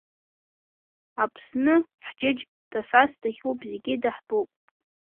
Аԥсны-ҳџьынџь дасас-дахьуп зегьы даҳтәуп.